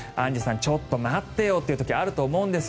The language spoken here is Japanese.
ちょっと待ってよという時あると思うんですよ。